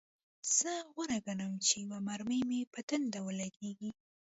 زه غوره ګڼم چې یوه مرمۍ مې په ټنډه ولګیږي